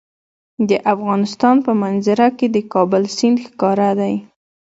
د افغانستان په منظره کې د کابل سیند ښکاره ده.